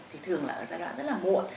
thì thường là ở giai đoạn rất là muộn